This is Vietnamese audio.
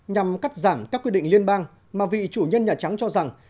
nhằm cắt giảm các quy định liên bang mà vị chủ nhân nhà trắng cho rằng